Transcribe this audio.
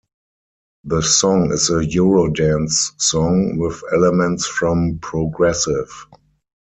The song is a Eurodance song with elements from Progressive.